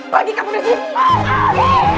bagi kamu disini